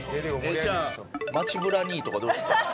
じゃあ「街ブラ兄」とかどうですか？